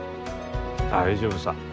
大丈夫さ。